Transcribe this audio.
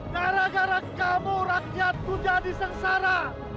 gara gara kamu rakyat pun jadi sengsara